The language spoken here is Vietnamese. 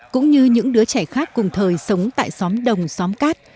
cũng như những đứa trẻ khác cùng thời sống tại xóm đồng xóm cát